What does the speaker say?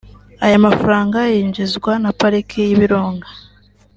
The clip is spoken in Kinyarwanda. Aya mafaranga yinjizwa na pariki y’Ibirunga